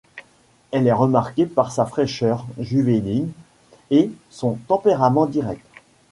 Elle est remarquée par sa fraîcheur juvénile et son tempérament direct.